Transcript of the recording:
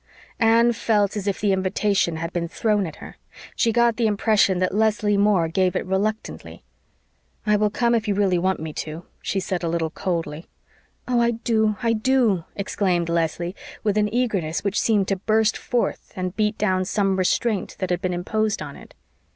Anne felt as if the invitation had been thrown at her. She got the impression that Leslie Moore gave it reluctantly. "I will come if you really want me to," she said a little coldly. "Oh, I do I do," exclaimed Leslie, with an eagerness which seemed to burst forth and beat down some restraint that had been imposed on it.